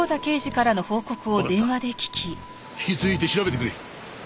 引き続いて調べてくれ。